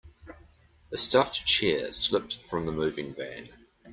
A stuffed chair slipped from the moving van.